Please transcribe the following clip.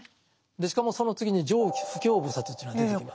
でしかもその次に「常不軽菩薩」というのが出てきます。